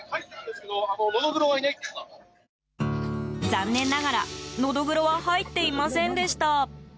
残念ながら、ノドグロは入っていませんでした。